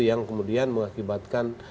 yang kemudian mengakibatkan